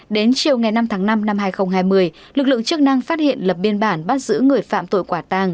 đến chiều ngày năm tháng năm năm hai nghìn hai mươi lực lượng chức năng phát hiện lập biên bản bắt giữ người phạm tội quả tàng